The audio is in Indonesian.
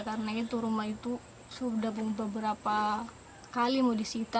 karena itu rumah itu sudah beberapa kali mau disita